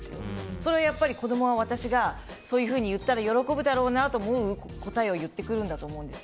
それはやっぱり子供が私にそういうふうに言ったら喜ぶだろうなと思う答えを言ってくると思うんですね。